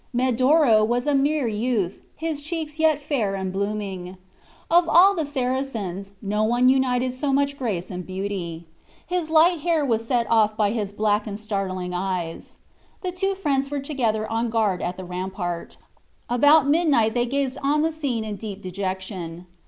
Medoro was a mere youth, his cheeks yet fair and blooming. Of all the Saracens, no one united so much grace and beauty. His light hair was set off by his black and sparkling eyes. The two friends were together on guard at the rampart. About midnight they gazed on the scene in deep dejection.